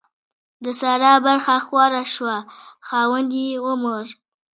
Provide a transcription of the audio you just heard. د سارا برخه خواره شوه؛ خاوند يې ومړ.